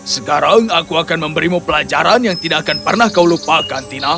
sekarang aku akan memberimu pelajaran yang tidak akan pernah kau lupakan tina